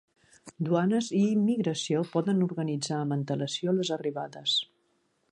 Duanes i Immigració poden organitzar amb antelació les arribades.